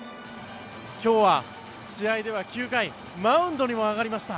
今日は試合では９回マウンドにも上がりました。